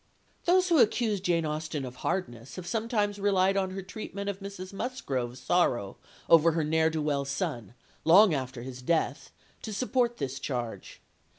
Those who accuse Jane Austen of hardness have sometimes relied on her treatment of Mrs. Musgrove's sorrow over her ne'er do well son, long after his death, to support this charge.